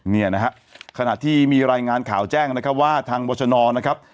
เนี่ยนะฮะขณะที่มีรายงานข่าวแจ้งนะครับว่าทางบรชนนะครับ